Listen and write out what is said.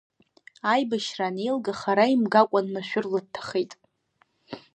Аибашьра анеилга хара имгакәан машәырла дҭахеит.